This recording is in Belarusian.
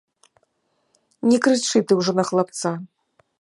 Не крычы ты ўжо на хлапца.